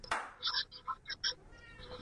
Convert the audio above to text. حافظه د تمرین له امله پیاوړې کېده.